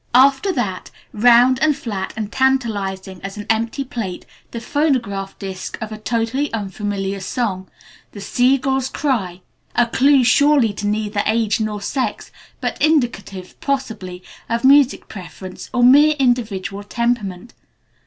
After that, round and flat and tantalizing as an empty plate, the phonograph disc of a totally unfamiliar song "The Sea Gull's Cry": a clue surely to neither age nor sex, but indicative possibly of musical preference or mere individual temperament.